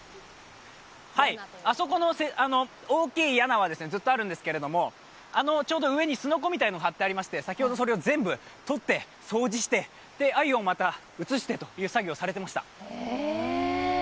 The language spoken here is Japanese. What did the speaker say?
はい、あそこの大きいやなはずっとあるんですけど、ちょっと上にすのこみたいなのがありまして、先ほど、それを全部取って掃除して、全部アユを移すという作業をしていました。